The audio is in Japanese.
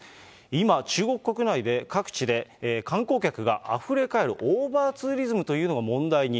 今、中国国内で各地で観光客があふれ返るオーバーツーリズムというのが問題に。